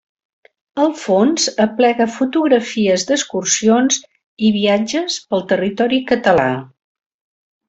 El fons aplega fotografies d'excursions i viatges pel territori català.